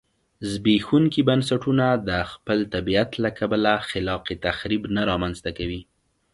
زبېښونکي بنسټونه د خپل طبیعت له کبله خلاق تخریب نه رامنځته کوي